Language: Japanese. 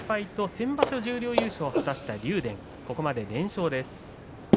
先場所十両優勝果たした竜電、ここまで連勝です。